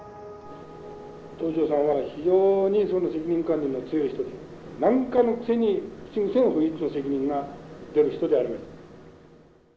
「東条さんは非常に責任観念が強い人で何かのついに口癖が『輔弼の責任』が出る人でありました」。